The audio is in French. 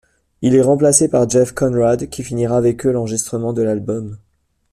Il est remplacé par Jeff Conrad, qui finira avec eux l'enregistrement de l'album.